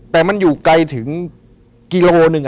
แต่มันอยู่ไกลถึงกิโลหนึ่ง